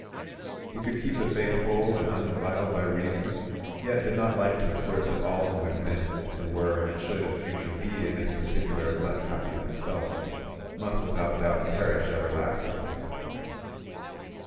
He could keep the faith whole and undefiled by reason, yet did not like to assert that all who had been and were and should in future be in this particular less happy than himself, must without doubt perish everlastingly.